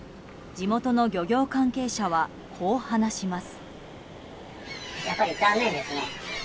地元の漁業関係者はこう話します。